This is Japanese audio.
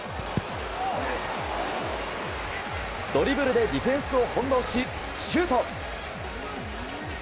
ドリブルでディフェンスを翻弄し、シュート！